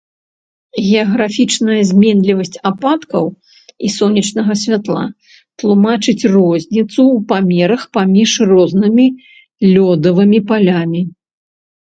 Геаграфічная зменлівасць ападкаў і сонечнага святла тлумачыць розніцу ў памерах паміж рознымі лёдавымі палямі.